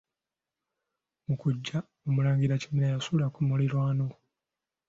Mu kujja, omulangira Kimera yasula ku muliraano.